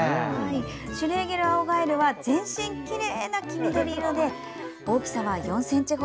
シュレーゲルアオガエルは全身きれいな黄緑色で大きさは４ｃｍ程。